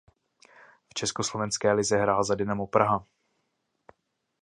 V československé lize hrál za Dynamo Praha.